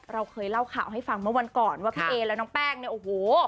เราเคยเล่าข่าวให้ฟังเมื่อวันก่อนว่าพี่เอและน้องแป้งเนี่ยโอ้โห